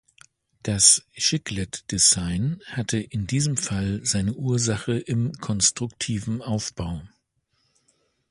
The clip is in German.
Das Chiclet-Design hat in diesem Fall seine Ursache im konstruktiven Aufbau.